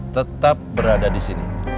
tetap berada disini